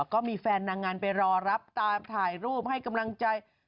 ก็มีแฟนนางงามไปรอรับตามถ่ายรูปให้กำลังใจ